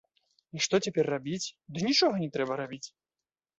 І што цяпер рабіць, ды нічога не трэба рабіць.